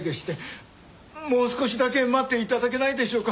もう少しだけ待って頂けないでしょうか？